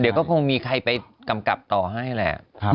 เดี๋ยวก็คงมีใครไปกำกับต่อให้แหละ